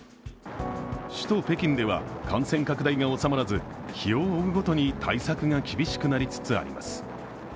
首都・北京では感染拡大が収まらず日を追うごとに対策が厳しくなりつつあります。